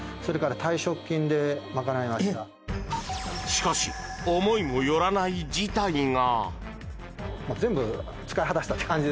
しかし思いも寄らない事態が。